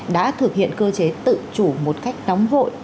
đã thực hiện cơ chế tự chủ một cách nóng vội